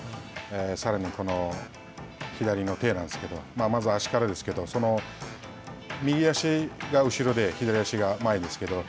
さらに、左の手なんですけれども、まず足からですけど、右足が後ろで、左足が前ですけれども。